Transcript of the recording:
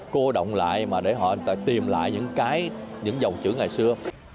cô động lại mà để họ tìm lại những cái những dòng chữ ngày xưa